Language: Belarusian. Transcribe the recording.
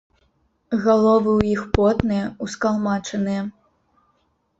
Галовы ў іх потныя, ускалмачаныя.